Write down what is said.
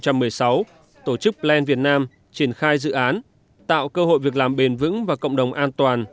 năm hai nghìn một mươi sáu tổ chức plan việt nam triển khai dự án tạo cơ hội việc làm bền vững và cộng đồng an toàn